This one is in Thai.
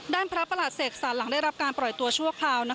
พระประหลัดเสกสารหลังได้รับการปล่อยตัวชั่วคราว